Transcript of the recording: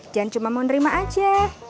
jangan cuma mau nerima aja